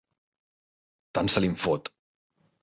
Tant se li'n fot.